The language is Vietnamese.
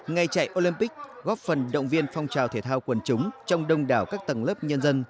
ngày chạy olympic góp phần động viên phong trào thể thao quần chúng trong đông đảo các tầng lớp nhân dân